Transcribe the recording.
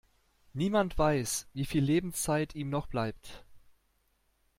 Niemand weiß, wie viel Lebenszeit ihm noch bleibt.